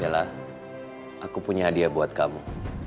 aku punya hadiah buat kamu